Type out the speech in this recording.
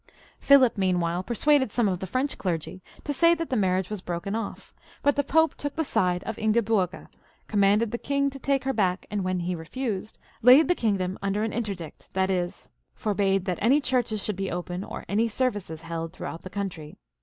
Philip meanwhile persuaded some of the French clergy to say that the marriage was broken off, but the Pope took the side of Ingeburga, commanded the king to take her back, and when he refused, laid the kingdom under an interdict, that is forbade that any churches should be open, or any services held throughout the country.